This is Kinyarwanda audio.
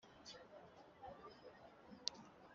gukiranuka Akavuga iby ukuri nk uko biri mu mutima